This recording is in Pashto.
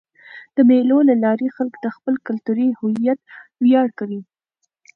د مېلو له لاري خلک د خپل کلتوري هویت ویاړ کوي.